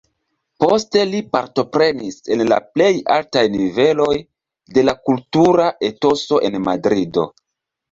Poste li partoprenis en la plej altaj niveloj de la kultura etoso en Madrido.